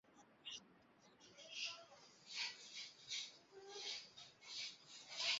El estadio ocupa un lugar muy importante en la historia del fútbol griego.